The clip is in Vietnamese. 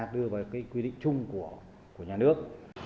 đưa vào cái quy định chung của nhà nước